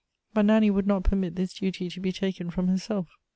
But Nanny would not permit this duty to be taken from her self.